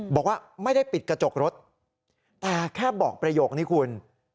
บอกว่าไม่ได้ปิดกระจกรถแต่แค่บอกประโยคนี้คุณ